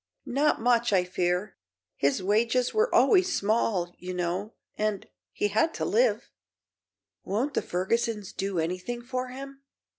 "Not much, I fear. His wages were always small, you know, and he had to live." "Won't the Fergusons do anything for him?"